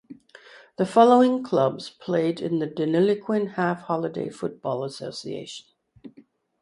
The following clubs played in the Deniliquin Half Holiday Football Association.